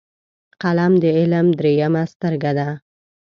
قلم د علم دریمه سترګه ده